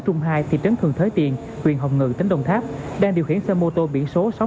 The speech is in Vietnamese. tại thị trấn thường thới tiền huyện hồng ngự tỉnh đồng tháp đang điều khiển xe mô tô biển số sáu mươi sáu